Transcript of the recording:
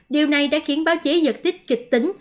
điều này đã khiến báo chí giật tích kịch tính